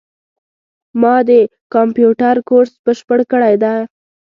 ما د کامپیوټر کورس بشپړ کړی ده